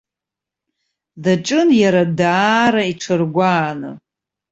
Даҿын иара даара иҽыргәааны.